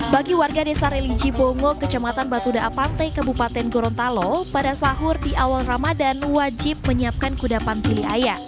bagi warga desa reliji bongo kecamatan batu da a pantai kebupaten gorontalo pada sahur di awal ramadhan wajib menyiapkan kudapan tiliaya